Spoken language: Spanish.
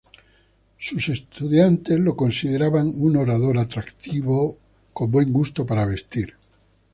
Sus estudiantes lo consideraban un orador atractivo, con buen gusto para vestir.